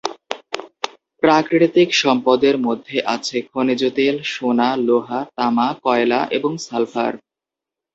প্রাকৃতিক সম্পদের মধ্যে আছে খনিজ তেল, সোনা, লোহা, তামা, কয়লা এবং সালফার।